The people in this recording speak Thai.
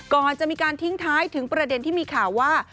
ก่อนจะมีการทิ้งท้ายถึงประเด็นที่มีข่าวว่า